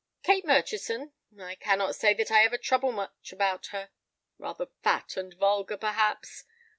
"Kate Murchison? I cannot say that I ever trouble much about her. Rather fat and vulgar—perhaps.